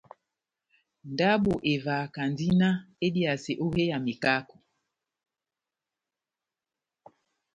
Ndabo evahakandi náh ediyase ó hé ya mekako.